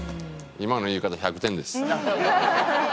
今の言い方１００点です。